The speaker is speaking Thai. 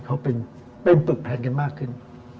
เขาเป็นเป็นปรึกแพทย์กันมากขึ้น